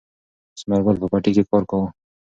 ثمر ګل په پټي کې کار کاوه.